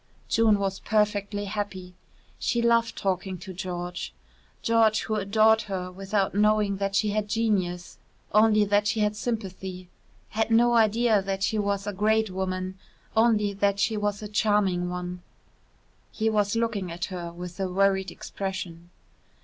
June was perfectly happy. She loved talking to George George who adored her without knowing that she had genius, only that she had sympathy had no idea that she was a great woman, only that she was a charming one. He was looking at her with a worried expression.